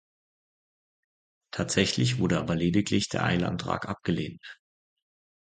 Tatsächlich wurde aber lediglich der Eilantrag abgelehnt.